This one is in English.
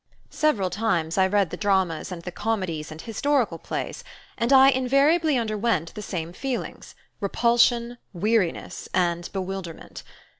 Several times I read the dramas and the comedies and historical plays, and I invariably underwent the same feelings: repulsion, weariness, and bewilderment.